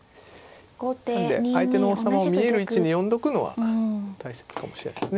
なんで相手の王様を見える位置に呼んどくのは大切かもしれないですね。